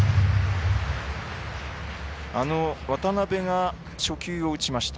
あの渡邉が初球を打ちました。